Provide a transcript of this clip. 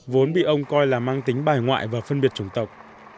vốn bị ông coi là mang tính bài ngoại và phân biệt chủng tộc